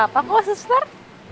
gak apa apa kok sister